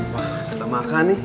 wah kita makan nih